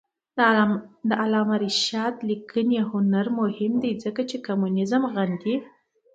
د علامه رشاد لیکنی هنر مهم دی ځکه چې کمونیزم غندي.